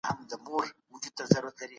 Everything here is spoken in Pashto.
ښځي د ټولني نیمایي برخه جوړوي.